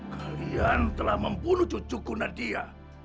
kalian telah membunuh cucuku nadia